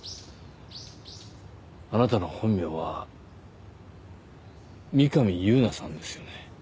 あなたの本名は三上夕菜さんですよね？